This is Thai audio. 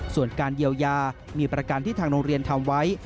ส่วนการเยียวยามีประกันที่ทางโรงเรียนทำไว้